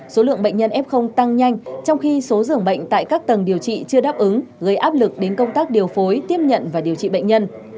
số lượng bệnh nhân f tăng nhanh trong khi số dường bệnh tại các tầng điều trị chưa đáp ứng gây áp lực đến công tác điều phối tiếp nhận và điều trị bệnh nhân